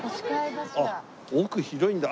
あっ奥広いんだ。